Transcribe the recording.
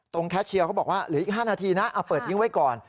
แคชเชียร์เขาบอกว่าเหลืออีก๕นาทีนะเปิดทิ้งไว้ก่อน